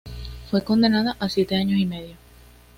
Fue condenada a siete años y medio.